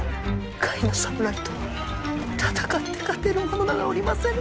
甲斐の侍と戦って勝てる者などおりませぬ！